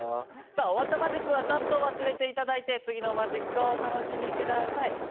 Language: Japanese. さあ終わったマジックはさっと忘れていただいて次のマジックをお楽しみください。